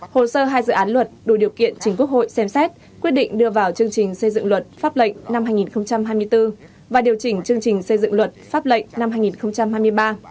hồ sơ hai dự án luật đủ điều kiện chính quốc hội xem xét quyết định đưa vào chương trình xây dựng luật pháp lệnh năm hai nghìn hai mươi bốn và điều chỉnh chương trình xây dựng luật pháp lệnh năm hai nghìn hai mươi ba